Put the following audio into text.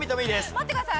待ってください！